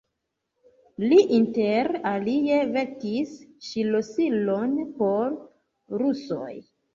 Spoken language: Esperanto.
Li inter alie verkis ŝlosilon por rusoj.